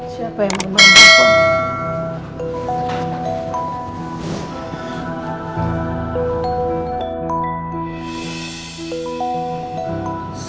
siapa yang mau mandi pak